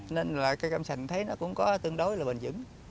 nên là cây cam sành thấy nó cũng có tương đối là bền dững